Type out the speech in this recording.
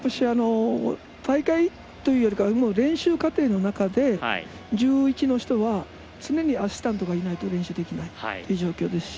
大会というよりは練習過程の中で１１の人は常にアシスタントの人がいないと練習できないという状況ですし。